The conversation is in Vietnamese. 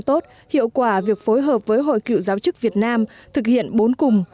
tốt hiệu quả việc phối hợp với hội cựu giáo chức việt nam thực hiện bốn cùng